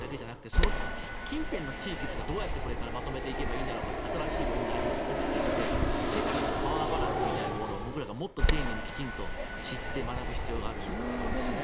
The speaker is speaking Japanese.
その近辺の地域すらどうやって、これからまとめていけばいいのかという新しい問題も起きてきて世界のパワーバランスを僕らがもっと丁寧に知って学ぶ必要がありますね。